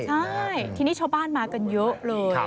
ใช่ทีนี้ชาวบ้านมากันเยอะเลย